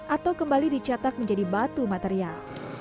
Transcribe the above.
atau kembali dicetak menjadi batu material